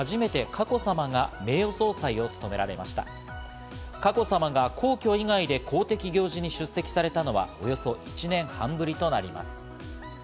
佳子さまが皇居以外で公的行事に出席されたのはおよそ１年半ぶりとなります。